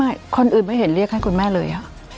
คนอื่นไม่เห็นเรียกให้คุณแม่เลย